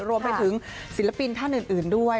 รวมไปถึงศิลปินท่านอื่นด้วย